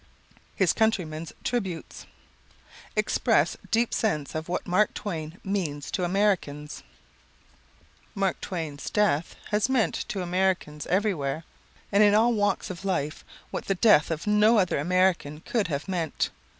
His Countrymen's Tributes Express Deep Sense of What Mark Twain Means to Americans Mark Twain's death has meant to Americans everywhere and in all walks of life what the death of no other American could have meant.